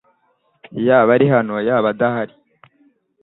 Yaba ari hano yaba adahari?